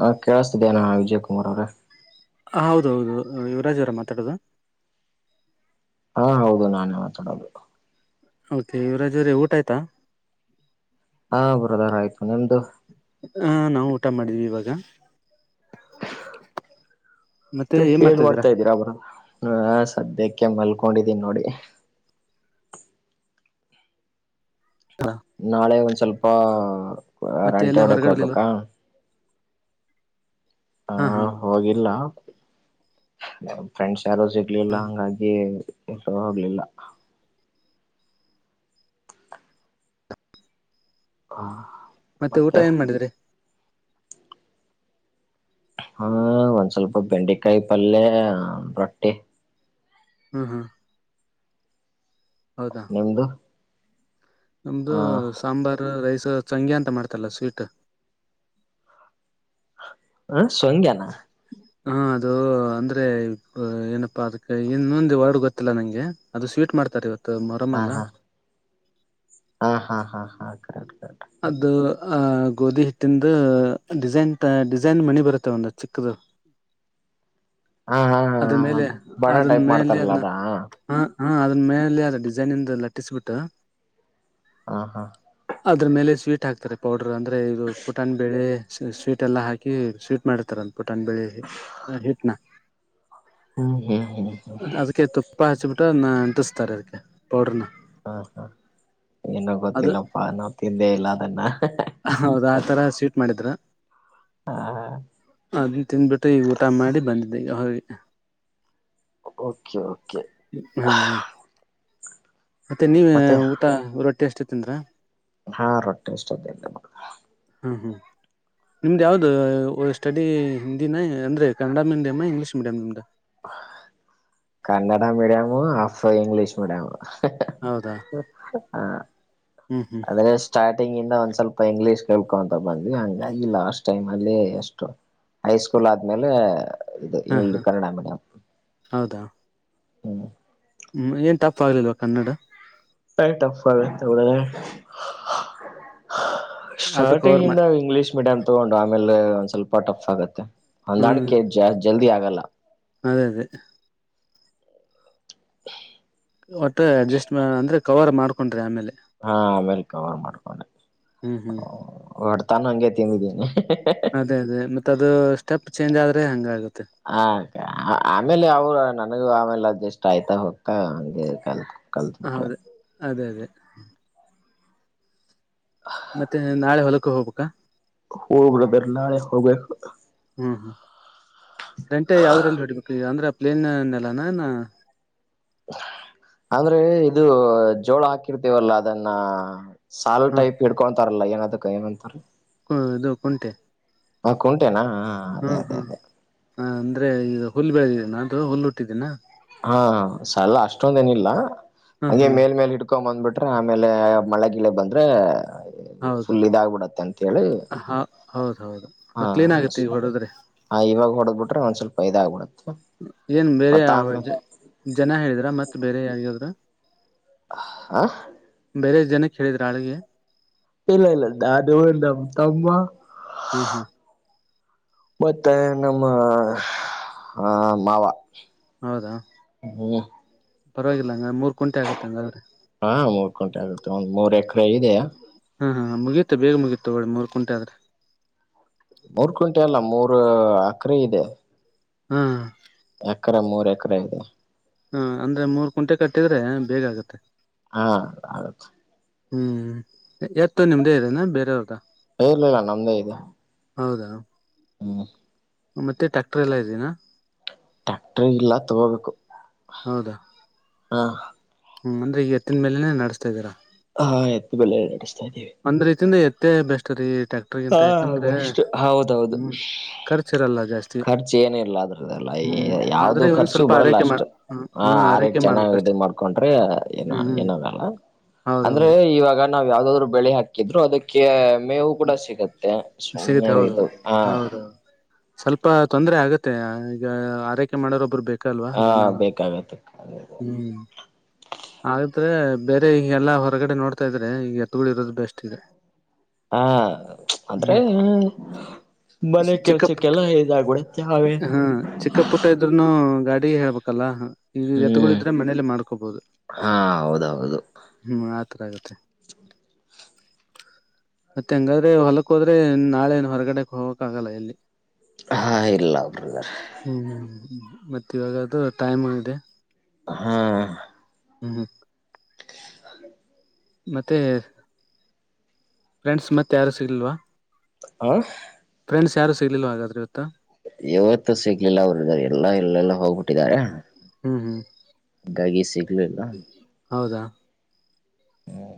ಹಾ ಕೇಳಿಸತಿದಯನಾ ವಿಜಯ್ ಕುಮಾರ್ ಅವ್ರೆ. ಹೌದು ಹೌದು ಯುವರಾಜ್ ಅವರ ಮಾತಾಡೋದು ಹಾ ಹೌದು ನಾನೇ ಮಾತಾಡೋದು ಓಕೆ ಇವರಾಜೋ್ರೇ ಊಟ ಆಯ್ತಾ ಹಾ ಬುರದಾರ ಆಯ್ತು ನಿಮ್ದು. ಹ ನಾವು ಊಟ ಮಾಡಿದೀವಿ ಇವಾಗ. [inaudible] ಮತ್ತೆ ಹೇಳ್ ಮಾಡ್ತಾ ಇದ್ದೀರಾ ಬರ ಹ ಸದ್ಯಕ್ಕೆ ಮಲ್ಕೊಂಡಿದೀನಿ ನೋಡಿ. ಹ ನಾಳೆ ಒಂದ್ ಸ್ವಲ್ಪ ಮತ್ತೆ ರಂಟೆ ಎಲ್ಲ ಹೊಡೆಕ್ ಹೊರಗಡೆಲಿಲ್ವಾ ಹೋಗ್ಬೇಕಾ. ಹಾ ಹಾ ಹ ಹೋಗಿಲ್ಲ ಫ್ರೆಂಡ್ಸ್. ಯಾರು ಸಿಗ್ಲಿಲ್ಲ ಹಂಗಾಗಿ ಇರ ಹೋಗ್ಲಿಲ್ಲ. ಹಾ. ಮತ್ತೆ ಊಟ ಏನ್ ಮಾಡಿದ್ರಿ. ಹ್ಮ ಒಂದ್ ಸ್ವಲ್ಪ ಬೆಂಡೆಕಾಯಿ ಪಲ್ಯ ರೊಟ್ಟಿ ಹ್ಮ ಹಾ ನಿಮ್ದು ಹ ನಮ್ದು ಸಾಂಬಾರು ರೈಸ್ ಸಂಂಗಿ ಅಂತ ಮಾಡ್ತಲ್ಲ ಸ್ವೀಟ್ ಹ ಸ್ಂಗ್ಯಾ [inaudible] ಹಾ ಅದು ಅಂದ್ರೆ ಏನಪ್ಪಾ ಅದಕ್ಕೆ ಇನ್ನುೊಂದ ವಾರ್ಡ್ ಗೊತ್ತಿಲ್ಲ ನಂಗೆ ಅದು ಸ್ ಟ್ ಮಾಡ್ತಾರೆ ಇವತ್ತು ಹಾ ಮೊರಮಲ್ಲ ಹಾ ಹಾ ಹಾ ಹಾ ಹಾ ಕ ಅದು ಆಹ ಗೋಧಿ ಹಿಟ್ಟಂದು ಡಿಸೈನ್ ಡಿಸೈನ್ ಮಣಿ ಬರುತ್ತೆ ಒಂದು ಚಿಕ್ಕದು ಹಾ ಹಾ ಹಾ ಅದ ಹ ಮೇಲೆ ಬಣ ಅದನ್ ಟೈಪ್ ಮೇಲೆ ಮಾಡ್ತಾರಲ್ಲ ಅದನ್ನ ಅದಾ ಹ ಹಾ ಅದ್ರ ಮೇಲೆ ಅಲ್ಲ ಡಿಸೈನ ಇಂದ ಅಟ್ಟಿಸ್ಬಿಟ್ಟು ಹ ಹಾ ಅದ್ರ ಮೇಲೆ ಸ್ವೀಟ್ ಹಾಕ್ತಾರೆ ಪೌಡರ್ ಅಂದ್ರೆ ಇದು ಪುಟಾಣ ಬೇಳೆ ಸ್ವೀಟ್ ಎಲ್ಲ ಹಾಕಿ ಸ್ವೀಟ್ ಮಾಡತಾರಂತೆ ಪಟನ್ ಬೆಳಿ ಹಟ್ನಾ ಹ್ಮ್ ಹ್ಮ್ ಹ್ಮ್ ಅದಕ್ಕೆ ತುಪ್ಪ ಹಚ್ಿಬಿಟ್ಟುನ್ನ ಅಂಟಿಸತಾರೆ ಅದಕ್ಕೆ ಪೌಡ್ರನ ಹಾ ಹಾ ಏನ ಅದು ಗೊತ್ತಿಲ್ಲಪ್ಪಾ ನಾವ ತಿಂದೇ ಇಲ್ಲ ಅದನ್ನ ಹೌದ ಆತರ ಸ್ವೀಟ್ ಮಾಡಿದ್ರ ಹಾ ಹ ಅದು ತಿನ್ಬಿಟ್ಟು ಈ ಊಟ ಮಾಡಿ ಬಂದಿದ್ದೆ ಈಗ ಹಿ ಓಕೆ ಕೆ ಮತ್ತೆ ನೀವ ಊತ ರೊಟ್ಟಿ ಎಷ್ಟತ್ತಂದ್ರ ಹಾ ರೊಟ್ಟಿಷ್ಟ ಹ್ಮ್ ಹ್ಮ್ ನಿಮ್ದ ಯಾವ್ದ ಸ್ಟಡಿ ಹಿಂದಿನ ಅಂದ್ರೆ ಕನ್ನಡ ಮೀಡಿಯಂ ಇಂಗ್ಲೀಷ್ ಮೀಡಿಯಂ ನಿಮ್ದ [inaudible] Kannada medium of English medium ಹೌದಾ ಹ ಹ್ಮ್ ಹ್ಮ್ ಅ್ರೆ ಸ್ಟಾರ್ಟಿಂಗ್ ಇಂದ ಒಂದ ಸ್ವಲ್ಪ ಇಂಗ್ಲೀಷ್ ಕೇಳ್ಕೊಂತ ಬಂದ್ ಹಂಗಾಗಿ ಲಾಸ್ಟ್ ಟೈಮ್ ಅಲ್ಲಿ ಎಷ್ಟು ಹೈ ಸ್ಕೂಲ್ ಆದ್ಮೇಲೆ ಇದು ಹಾ ಇಂಗ್ ಹಾ ಕನ್ನಡ ಮೀಡಿಯಂ ಹೌದಾ ಹ್ಮ್ ಹ್ಮ್ ಏನ್ ಟಫ್ ಆಗ್ಲಿಲ್ವಾ ಕನ್ನಡ ಹ ಪ್ಪ ಎ ಆದ್ರೂ ಸ್ಟಾರ್ಟಿಂಗ್ ಕವರ್ ಇಂದ ಮಾಡ ಇಂಗ್ಲಿಷ್ ಮೀಡಿಯಂ ತಗೊಂಡು ಆಮೇಲೆ ಒಂದ್ ಸ್ವಲ್ಪ ಟಫ್ ಆಗತ್ತೆ ಹಂದಾಣ ಹ್ಮ್ ಕೆ ಜಸ್ ಜಲ್ದಿ ಆಗಲ್ಲ ಅದೇ ಅದೇ [inaudible] ಒಟ್ಟೆ ಅಡ್ಜಸ್ಟ್ ಅಂದ್ರೆ ಕವರ್ ಮಾಡ್ಕೊಂಡ್ರಿ ಆಮೇಲೆ ಹಾ ಅಮೇರಿಕ ಅವರ್ ಮಾಡ್ಕೊಂಡೆ ಹ್ಮ್ ಹ್ಮ್ ಹೊಡ್ತಾನು ಹಂಗೆ ತಿಂದಿದ್ದೀನಿ ಅದೇ ಅದೇ ಮತ್ತ ಅದು ಸ್ಟೆಪ್ ಚೇಂಜ್ ಆದ್ರೆ ಹಂಗ ಆಗುತ್ತೆ. ಹ ಆಮೇಲೆ ಅವರು ನನಗೂ ಆಮೇಲೆ ಎಲ್ಲ ಜಸ್ಟ್ ಆಯ್ತಾ ಹೋಗ್ತಾ ಹ ಕಲ್ ಕಲ್ತ್ ಬಿಟ್ರೆ ಹೌದ ಅದೇ ಅದೇ ಮತ್ತೆ ನಾಳೆ ಹೊಲಕ್ಕ ಹೋಗ್ಬೇಕ ಹೋಗಬ್ರದರ್ ನಾಳೆ ಹೋಗ್ಬೇಕು [inaudible] ಹ್ಮ್ ಹ್ಮ್ ಗಂಟೆ ಯಾವ್ದ್ರಲ್ಲಿ ಹೊಡ್ಬೇಕು ಈಗ ಅಂದ್ರೆ ಪ್ಲೇನ್ನ್ನೆಲ್ಲಾನ ಇ ಅಂದ್ರೆ ಇದು ಜೋಳ ಹಾಕಿರ್ತೇವಲ್ಲ ಅದನ್ನ ಸಾಲು ಟೈಪ್ ಹಿಕೊಂತತಾರಲ್ಲ ಏನದಕ್ಕ ಏನಂತಾರ ಹ ಇದು ಕುಂತೆ ಹ ಕುಂಟೆನಾ ಹ ಅದೇ ಅದೇ ಅದೇ ಅಂದ್ರೆ ಈದು ಹುಲ್ಬೆಳಗಿನ ಅದು ಹುಲ್ಲುಟ್ಟಿದೀನ ಹಾ ಸಲ ಅಷ್ಟೊಂದ ಏನಿಲ್ಲ ಹ್ಮ್ ಹಂಗೆ ಹ್ಮ್ ಮೇಲ್ ಮೇಲ್ ಇಟ್ಕೊಂಡ ಬಂದ್ಬಿಟ್ಟು ಆಮೇಲೆ ಮಳೆಗಿಳ ಬಂದ್ರೆ ಹೌದು ಫುಲ್ ಇದಾಗಬಿಡತ್ತೆ ಅಂತ ಹೇಳಿ ಹ ಹೌದ್ ಹೌದು ಹಾ ಅದು ಕ್ಲೀನ್ ಆಗುತ್ತೆ ಈಗ ಅಷ್ಟೇ ಹೊಡದ್ರೆ ಹ ಇವಾಗ್ ಹೊಡದ ಬಿಟರ್ ಒಂದ ಸ್ವಲ್ಪ ಇದ ಆಗಬಿಡ ಏನ್ ಬೇಳೆ ಜನ ಹೇಳಿದ್ರ ಮತ್ತ ಬೇರೆ ಯಾರಿಗದ್ರು ಹ ಬೇರೆ ಜನ ಹೇಳಿದ್ರ ಆಳಿಗೆ ಇಲ್ಲ ಇಲ್ಲಂದ ಅದು ನಮ ತಮ್ಮ ಹಾ ಹಾ ಮತ್ತೆ ನಮ್ಮ ಆ ಮಾವ ಹೌದಾ ಹ್ಮ ಪರವಾಗಿಲ್ಲ ಹಂಗೆ ಮೂರ್ ಕುಂಟೆ ಆಗತ್ತ ಹಂಗದರ ಹಾ ಮೂರ್ ಕುಂಟೆ ಆಗುತ್ತೆ ಒಂದ್ ಮೂರ್ ಎಕರೆ ಇದೆಯ ಹಾ ಹಾ ಮುಗಿಯತೆ ಬೇಗ ಮುಗಿಯತ ಮೂರ್ ಕುಂಟೆ ಆದ್ರೆ ಮೂರ್ ಕುಂಟೆ ಅಲ್ಲ ಮೂರ್ ಅಕರೆ ಇದೆ ಹ್ಮ್ ಎಕರೆ ಮೂರ್ ಎಕರೆ ಇದೆ. ಹಾ ಅಂದ್ರೆ ಮೂರ್ ಕುಂಟೆ ಕಟ್ಟಿದ್ರೆ ಬೇಗ ಆಗತ್ತೆ. ಹಾ ಆಗುತ್ತೆ ಹ್ಮ್ ಎತ್ತ ನಿಮ್ದೇ ಇದೇನಾ ಬೇರೆೆಯವ್ರದ ಇಲ್ಲಿಲ ನಮ್ದೇ ಇದು ಹೌದಾ ಹಾ ಮತ್ತೆ ಟ್ಯಾಕ್ಟರ್ ಎಲ್ಲಾ ಇದೀನಾ ಟ್ಯಾಕ್ಟರ್ ಇಲ್ಲ ತಗೋಬೇಕು. ಹೌದಾ ಹಾ ಹ್ಮ್ ಅಂದ್ರ ಈ ಎತ್ತಿನ ಮೇಲೆನೆ ನಡ್ಸ್ತ ಇದ್ದೀರಾ ಹಾ ಎತ್ತ ಮೇಲೆ ನಡೆಸ್ತಾ ಇದ್ದೀವಿ ಎತ್ತ ಬೆಸ್ಟ್ ರೇಟ ಎತ್ತ ಬೆಸ್ಟ್ ಹೌದೌಹೌದು ಹ್ಮ್ ಖರ್ಚಿರಲ್ಲ ಜಾಸ್ತಿ ಖರ್ಚ ಏನ ಇಲ್ಲ ಅದ್ರದ್ದಲ್ಲ ಅಯ ಹ್ಮ್ ಯಾವ್ದು ಆದ್ರೆ ಇವ್ ಖರ್ಚು ಸ್ವಲ್ಪ ಬರಲ್ಲ ಆರೈಕೆ ಮಾಡ ಅಷ್ಟು ಹ ಹ್ಮ್ ಆರ ಆರೈಕೆ ಚೆನ್ನಾಗ ಇದ ಮಾಡ್ಬೇಕಷ್ಟೆ ಮಾಡ್ಕೊಂಡ ಅರ ಏನ ಹ್ಮ್ ಹ್ಮ್ ಏನಾಗಲ್ಲ ಅಂದ್ರೆ ಹೌದೌದು ಇವಾಗ ನಾ ಯಾವ್ದಾದ್ರು ಬೆಳೆ ಹಾಕಿದ್ರು ಅದಕ್ಕೆ ಮೇವು ಕೂಡ ಸಿಕ್ ಸುಮನೆ ಸಿಗುತ್ತೆ ಇದು ಹೌದೌದು ಹಾ ಹೌದೌದು ಸ್ವಲ್ಪ ತೊಂದ್ರ ಆಗತ್ತೆ ಈಗ ಆರೈಕೆ ಮಾಡೋರೊಬ್ಬರು ಬೇಕು ಲ್ವಾ ಹ ದನ ಬೇಕಾಗತ್ತೆ ಹ್ಮ್ ಆದೆ ಬೇರೆ ಈ ಎಲ್ಲಾ ಹೊರಗಡೆ ನೋಡ್ತಾ ಇದ್ರೆ ಈ ಎತ್ತುಗಳು ಇರೋದು ಬೆಸ್ಟ್ ಇದೆ ಹಾ ಅಂದ್ರೆ ಹ್ಮ್ ಹ್ಮ ಚಿಕ್ಕಪುಟ್ಟ ಅವೇ ಹಾ ಚಿಕ್ಕಪುಟ್ಟ ಇದ್ರೂನು ಗಾಡಿ ಅ ಹೇಬೇಕಲ್ಲ ಹ ಈಗ ಹ್ಮ್ ಎತ್ಕಳಿದ್ರೆ ಮನೇಲಿ ಮಾಡ್ಕೋಬೊದು ಹಾ ಹೌದೌದು ಹ್ಮ್ ಒಂತರ ಆಗತ್ತೆ ಮತ್ತೆ ಹೆಂಗಾದ್ರೆ ಹೊಲಕ್ಕ ಹೋದ್ರೆ ನಾಳೆ ನ್ ಹೊರಗಡೆಕ್ ಹೋಗಕ್ ಆಗಲ್ಲ ಎಲ್ಲಿ ಹಾ ಇಲ್ಲಾ ಬ್ರದರ್ ಮತ್ತು ಇವಾಗದು ಟೈಮು ಇದೆ. ಹ್ಮ ಹ್ಮ್ ಹ್ಮ ಮತ್ತೆ ಫ್ರೆಂಡ್ಸ್ ಮತ್ತೆ ಯಾರು ಸಿಗಲ್ವಾ ಹ ನೆಂಡಸ್ ಯಾರು ಸಿಲಿಲ್ಲ ಹಾಗಾದ್ರೆ ಇವತ್ತು ಇವತ್ತು ಸಿಗ್ಲಿಲ್ಲ ಅವರು ಇದ ಎಲ್ಲಾ ಇಲ್ಲೆಲ್ಲ ಹೋಗ್ಬಿಟ್ಟಿದ್ದಾರೆ ಹ್ಮ್ ಹ್ಮ್ ಸಿಗ್ಲಿಲ್ಲ ಹೌದಾ ಹ್ಮ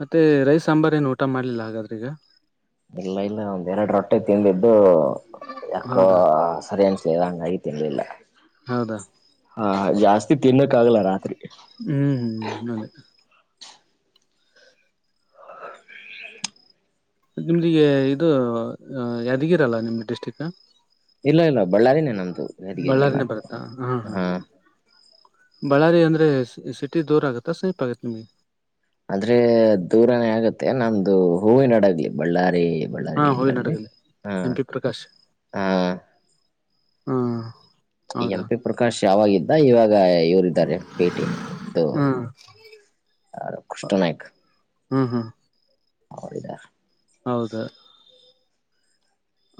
ಮತ್ತೆ ರೈ ಸಾಂಬಾರ ಏನು ಊಟ ಮಾಡ್ಲಿಲ್ಲ ಹಾಗಾದ್ರೀಗ ಇಲ್ಲ ಇಲ್ಲ ಒಂದ್ರಡು ರೊಟ್ಟೆ ತಿಂದಿದ್ದು ಯಾಕೋ ಹೌದಾ ಸರಿ ಅನ್ಸ್ಲಂಗ ಆಯ್ತ ತಿನ್ನಿಲ್ಲ ಹೌದಾ ಹಾ ಜಾಸ್ತಿ ತಿನ್ನಕ್ಕ ಆಗಲ್ಲ ರಾತ್ರಿ ಹ್ಮ್ ಹ್ಮ್ ಅದೇ ನಿಮ್ದಿಗೆ ಇದು ಯಾದಗಿರ ಅಲ್ಲ ನಿಮ್ದ ಡಿಸ್ಟ್ರಿಕ್ ಇಲ್ಲ ಇಲ್ಲ ಬಳ್ಳಾರಿನೇ ನಮ್ದು ಯಾದಗಿರಿ ಇಲ್ಲ ಬಳ್ಳಾರಿನೇ ಬರುತ್ತಾ ಹಾ ಹಾ ಬಳ್ಳಾರಿ ಅಂದ್ರೆ ಸಿಟಿ ದೂರ ಆಗತ್ತಾ ಸ್ಪ್ ಆಗತ್ ನಿಮ್ಗೆ ಅಂದ್ರೆ ದೂರನೇ ಆಗತ್ತೆ ನಮ್ದು ಹೂವಿನೊಡಗ್ಲಿ ಬಳ್ಳಾರಿ ಹಾ ಬಳ್ಳಾರಿ ಇದ್ರಲ್ಲಿ ಹೋಗಿನಡಗಲ್ಲಿ ಹಾ ಎಂ ಪಿ ಹಾ ಹಾ ಈ ಎಂ ಪಿ ಪ್ರಕಾಶ್ ಯಾವಾಗಿದ್ದ ಇವಾಗ ಇವರಿದ್ದಾರೆ ಭೇಟಿ ಇದು ಹ್ಮ್ ಆ ಕೃಷ್ಣ ನಾಯಕ ಹಾ ಹಾ ಹೌೌದಾ ಹೌದ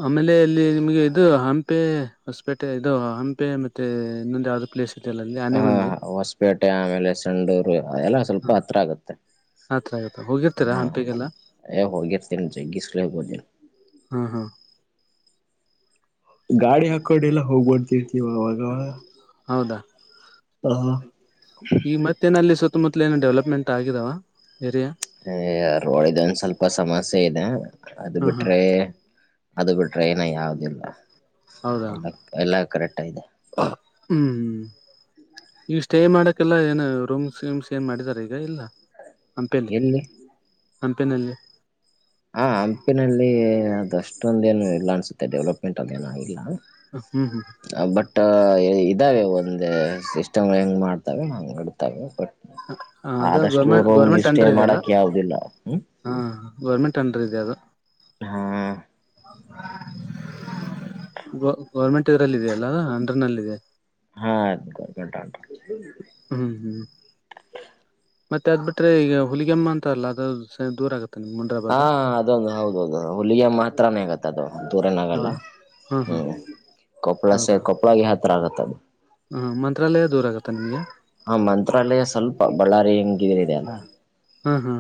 ಆಮೇಲೆ ಇಲ್ಲಿ ನಿಮ್ಗೆ ಇದು ಹಂಪೆ ಹೊಸಪೇಟೆ ಇದು ಹಂಪೆ ಮತ್ತೆ ಇನ್ನೊಂದು ಯಾವ್ದು ಪ್ಲೇಸ್ ಇದೆಯಲ್ಲ ಅಲ್ಲಿ ಹಾ ಆನೆಗುಂದಿ ಹೊಸಪೇಟೆ ಆಮೇಲೆ ಸಂಡೂರು ಅದೆಲ್ಲ ಸ್ವಲ್ಪ ಹತ್ರ ಆಗುತ್ತೆ ಹತ್ರ ಆಗತ್ತ ಹೋಗಿರ್ತೀರಾ ಹಾ ಹಂಪಿಗೆಲ್ಲ ಎಗ ತಿ ಜ ಗಿಸಲ ಬ ಹಾ ಹಾ ಗಾಡಿ ಹಾಕೊಂಡ ಎಲ್ಲ ಹೋಗ್ಬಡ್ತಿರ್ತಿವ ಅವಾಗವ ಈ ಮತ್ತ ಮುತ್ತ ಮುತ್ತ ಏನೋ ಡೆವಲಪ್ಮೆಂಟ್ ಆಗಿದಾವ ಏರಿಯಾ ಹ ರೋಡ್ ಇದ ಒಂದ ಸ್ವಲ್ಪ ಸಮಸ್ಯೆ ಇದೆ ಅದು ಹಾ ಹಾ ಬಿಟ್ರೆ ಅದು ಬಿಟ್ರೆ ಏನ ಯಾವ್ದಿಲ್ಲ ಹೌದಾ ಎಲ್ಲ ಎಲ್ಲ ಕರೆಕ್ಟ್ ಇದೆ ಹ್ಮ್ ಈಗ ಸ್ಟೇ ಮಾಡಕ್ಕೆೆಲ್ಲ ಏನು ರೂಮ್ಸ್ ವಮ್ಸ್ ಏನ್ ಮಾಡಿದಿದ್ದಾರೆ ಈಗ ಇಲ್ಲ ಹಂಪೆಲ್ಲಿ ಎಲ್ಲಿ ಹಂಪೆನಲ್ಲಿ ಹ ಹಂಪಿನಲ್ಲಿ ಅದಷ್ಟೊಂದ ಏನು ಇಲ್ಲ ಅನ್ಸುತ್ತೆ ಡೆವಲಪ್ಮೆಂಟ್ ಅದೇಏನ ಇಲ್ಲ ಹ್ಮ್ ಹ್ಮ್ ಬಟ್ ಇದಾವೆ ಒಂದು ಸಿಸ್ಟಮ್ ಹೆಂಗ್ ಮಾಡ್ತವೆ ಹಂಗಗೆ ಇಡ್ತವೆ ಬಟ್ ಅದ ಆದಷ್ಟು ಗೌರ್ಮೆಂಟ್ ರೂಮ್ಗೆ ಗೌರ್ಮೆಂಟ್ ಸ್ಟೇ ಅಂಡರ್ ಮಾಡಕ ಯಾವದಿಲ್ಲ ಹ್ಮ್ ಗೋರ್ಮೆಂಟ್ ಅನ್ ಇದೆ ಅದು ಹಾ ಗ ಗೌರ್ಮೆಂಟ್ ಇದ್ರಲ್ಲಿಯ ಅಲ್ಲ ಹಂಡ್ರೆಡ್ ನಲ್ಲಿ ಇದೆ ಹಾ ಗಂಟ ಹ್ಮ್ ಹ್ಮ್ ಮತ್ತೆ ಅದು ಬಿಟ್ರೆ ಈಗ ಹುಲಿಗೆಮ್ಮ ಅಂತ ಅಲ್ಲ ಅದು ದೂರ ಆಗುತ್ತೆ ಹಾ ಅದೊಂದು ಹೌದೌದು ಹುಲಿಗೆ ಮಾತ್ರಾನೇ ಆಗತ್ತೆ ಅದೊ ದೂರನ ಆಗಲ್ಲ ಹೌದಾ ಹಾ ಹಾ ಹ್ಮ್ ಕೊಪ್ಪಳ ಸ ಕೊಪ್ಪಳಾಗ ಯಾವ ತರ ಆಗತ್ತ ಅದು ಹಾ ಮಂತ್ರಾಲಯದ ಹಾ ಮಂತ್ರಾಲಯ ಸ್ವಲ್ಪ ಬಳ್ಳಾರಿ ಹಂಗಿದಿದೆ ಅಲ್ಲ ಹಾ ಹಾ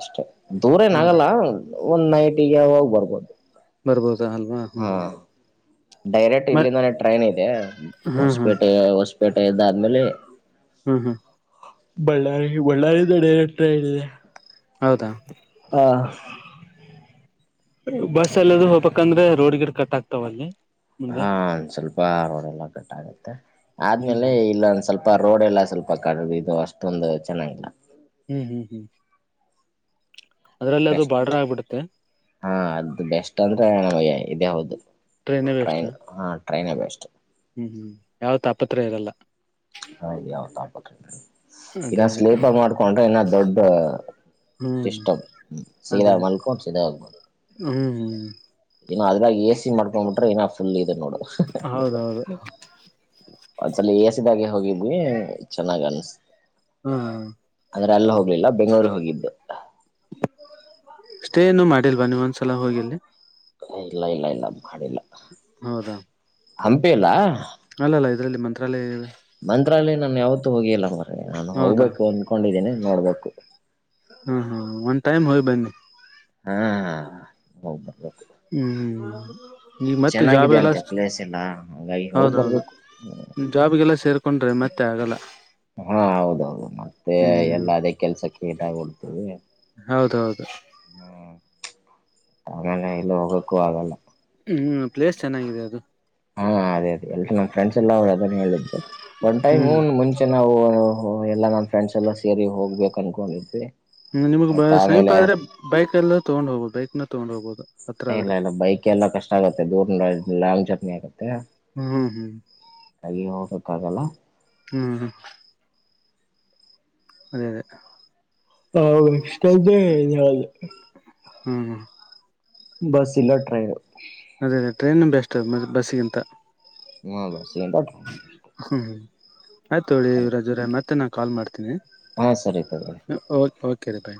ಅಷ್ಟೆ ದೂರ ಏನ ಹೌದಾ ಆಗಲ್ಲ ಒಂದ್ ನೈಟಿಗೆ ಹೋಗ್ ಬರ್ಬೋದು ಬರ್ಬೋದಾ ಅಲ್ವಾ ಹಾ ಹ್ಮ ಡೈರೆಕ್ಟ್ ಇಲ್ಲಿಂದಾನೇ ಟ್ರೈನ್ ಇದೆ ಹ್ಮ್ ಹ್ಮ್ ಹೊಸ್ಪೇಟೆ ಹೊಸ್ಪೇಟೆ ದ್ಮೇಲೆ ಹ್ಮ್ ಹ್ಮ್ ಬಳ್ಳಾರಿ ಬಳ್ಳಾರಿ ದಡಟ ಇಿದೆ ಹೌದಾ ಹಾ ಬಸ್ ಎಲ್ಲದು ಹೋಗ್ಬೇಕಂದ್ರೆ ರೋಡ್ ಗಿಡ ಕಟ್ ಆಕ್ತಾವ ಅಲ್ಲಿ ಮುಂದೆ ಹಾ ಒಂದ ಸ್ವಲ್ಪ ರೋಡೆ ಎಲ್ಲ ಕಟ್ಟ ಆಗುತ್ತೆ ಹ್ಮ್ ಆದ್ಮೇಲೆ ಹ್ಮ್ ಇಲ್ಲ ಒಂದ್ ಸ್ವಲ್ಪ ರೋಡೆ ಎಲ್ಲ ಸ್ವಲ್ಪ ಕಡ ಇದು ಅಷ್ಟೊಂದು ಚೆನ್ನಾಗಿಲ್ಲ ಹ್ಮ್ ಹ್ಮ್ ಹ್ಮ್ ಅದ್ರಲ್ಲಿ ಅದು ಬೆಸ್ಟ್ ಬಾರ್ಡರ್ ಆಗ್ಬಿಡುತ್ತೆ ಹಾ ಅದು ಬೆಸ್ಟ್ ಅಂದ್ರೆ ನಮಗೆ ಇದೇ ಹೌದು ಟ್ರೈನೇ ಬೆಸ್ಟ್ ಟ್ರೈನ್ ಹಾ ಟ್ರೈನ್ ಬೆಸ್ಟ್ ಹ್ಮ್ ಹ್ಮ್ ಯಾವ ತಾಪತ್ರ ಇರಲ್ಲ ಹ ಯಾವತ್ಕ ಇನ್ನ ಅದೇ ಸ್ಲೀಪರ್ ಮಾಡ್ಕೊಂಡ್ರೆ ಇನ್ನ ದೊಡ್ಡ ಹ್ಮ್ ಸಷ್ಟಮ ಹ್ಮ ಅದೇ ಸಿನಾರ್ ಮಲ್ಕೋನ್ ಸಧರ್ಮನ್ ಹ್ಮ್ ಹ್ಮ್ ಏ ಅದಲಾಗ ಎ ಸಿ ಮಾಡಕೊಂಡ್ ಬಿಟ್ರೆ ಇಏ ಫುಲ್ ನೋಡ ಹೌದೌದು ಒಂದ್ಸಲ ಎಸಿದಾಗೆ ಹೋಗಿದ್ವಿ ಚೆನ್ನಾಗ್ ಅನ್ಸತ ಹಾ ಅಂದ್ರೆ ಅಲ್ಲ ಹೋಗ್ಲಿಲ್ಲ ಬೆಂಗಳೂರು ಹೋಗಿದ್ದು ಅಷ್ಟೇ ನು ಮಾಡಿಲ್ವಾ ನೀವ ಒಂದ್ಸಲ ಹೋಗಿಲ್ಲಿ ಇಲ್ಲ ಇಲ್ಲ ಇಲ್ಲ ಮಾಡಿಲ್ಲ ಹಂಪಿ ಇಲ್ಲ ಅಲ್ಲ ಅಲ್ಲ ಇದ್ರಲ್ಲಿ ಮಂತ್ರಾಲಯ ಮಂತ್ರಲ್ಲಿ ನಾನನ್ ಯಾವತ್ತು ಹೋಗಿಲ್ಲ ಮರಿ ನಾನು ಹೌದಾ ಹೋಗ್ಬೇಕು ಅನ್ಕೊಂಡಿದ್ದೀನಿ ನೋಡ್ಬೇಕು ಹಾ ಹಾ ಒಂದ್ ಟೈಮ್ ಹೋಗ್ ಬನ್ನಿ ಹಾ ಹೋಗ್ಬರ್ಬೇಕ ಹ್ಮ್ ಈ ಮತ್ತೆ ಚೆನ್ನಾಗಿದೆ ಜಾಬ್ಗೆಲ್ಲ ಅಂತೆ ಪ್ಲೇಸ್ ಎಲ್ಲ ಹಂಗಾಗಿ ಹೋಗ್ ಹೌದ ಹೌದು ಬರ್ಬೇಕು ಜಾಬ್ಗೆಲ್ಲ ಸೇರ್ ಕೊಂಡ್ರೆ ಮತ್ತೆ ಆಗಲ್ಲ ಹಾ ಹೌದೌದು ಮತ್ತೆ ಹ್ಮ್ ಎಲ್ಲ ಅದೇ ಕೆಲ್ಸಕ್ಕೆ ಟಾಗಿಬಡ್ತವಿ ಹೌದ ಹೌದು ಹಾಗಾನ ಇಲ್ಲ ಹೋಗಕ್ಕೂ ಆಗಲ್ಲ ಹ್ಮ್ ಪ್ಲೇಸ್ ಚೆನ್ನಾಗಿದೆ ಅದು ಹಾ ಅದೇ ಅದೇ ಎಲ್ ನಮ್ ಫ್ರೆಂಡ್ಸ್ ಎಲ್ಲ ಅವರು ಅದನ್ನೇ ಹೇಳಿದ್ ಒನ್ ಟೈಮ್ ಹ್ಮ್ ಮುಂಚೆ ನಾವು ಹ ಎಲ್ಲ ನಾನ್ ಫ್ರೆಂಡ್ಸ್ ಎಲ್ಲಾ ಸೇರಿ ಹೋಗ್ಬೇಕು ಅನ್ಕೊಂಡಿದ್ವಿ ಹ್ಮ್ ನಿಮಗ್ ಮತ್ತ ಸಮೀಪ ಆಮೇಲೆ ಆದ್ರೆ ಬೈಕ್ ಎಲ್ಲ ತಗೊಂಡ್ ಹೋಗಬೋುದು ಬೈಕ್ ನ ತೊಗೊಂಡ್ ಹೋಗಬಹುದು ಇಲ್ಲ ಇಲ್ಲ ಬೈಕ್ ಎಲ್ಲಾ ಕಷ್ಟ ಆಗುತ್ತೆ ದೂರ್ ಲಾಂಗ್ ಜರ್ನಿ ಆಗತ್ತೆ ಹ್ಮ್ ಹ್ಮ್ ಹೋಗಕ್ಕಾಗಲ್ಲ ಹ್ಮ್ ಅದೇ ಅದೇ ಹಾ ವಿಷ್ದ ಾಲ ಹ್ಮ್ ಬಸ್ ಇಲ್ಲ ಟ್ರೈನ್ ಮ ಬಸ್ಸಿಗಿಂತ [inaudible] ಹ್ಮ. ಆಯ್ತೋಗೊರಿ ಇವರಜರ ಮತ್ತೆ ನಾ ಕಾಲ ಮಾಡತೀನಿ. ಹಾ ಸರಿ ತೊಗೋಳಿ. ಕೆರೆಪಾಯ.